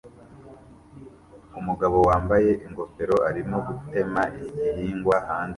Umugabo wambaye ingofero arimo gutema igihingwa hanze